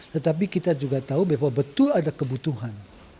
tetapi kita juga tahu bahwa betul ada kebutuhan